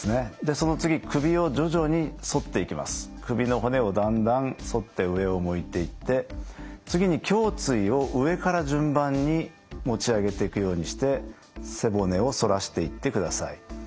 その次首の骨をだんだん反って上を向いていって次に胸椎を上から順番に持ち上げていくようにして背骨を反らしていってください。